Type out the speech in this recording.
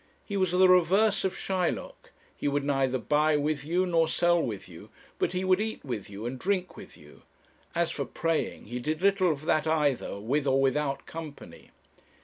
He was the reverse of Shylock; he would neither buy with you nor sell with you, but he would eat with you and drink with you; as for praying, he did little of that either with or without company.